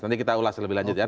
nanti kita ulas lebih lanjut ya